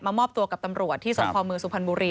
มามอบตัวกับตำรวจที่สมความมือสุพรรณบุรี